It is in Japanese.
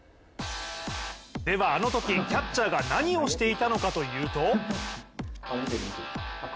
では、あのときキャッチャーが何をしていたのかというと。